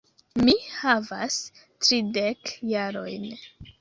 Mi havas tridek jarojn.